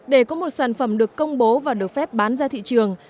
để có một sản phẩm được công bố và được phép bán ra thị trường